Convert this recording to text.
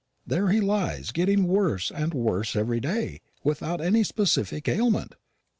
There he lies, getting worse and worse every day, without any specific ailment.